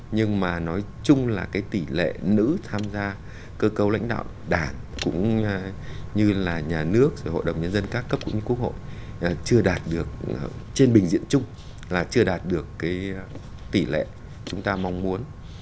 nhưng mà nói chung là cái tỷ lệ nữ tham gia cơ cấu lãnh đạo đảng cũng như là nhà nước hội đồng nhân dân các cấp cũng như quốc hội chưa đạt được trên bình diện chung là chưa đạt được cái tỷ lệ chúng ta mong muốn